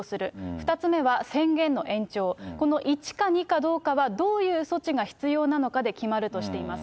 ２つ目は宣言の延長、この１か２かどうかは、どういう措置が必要なのかで決まるとしています。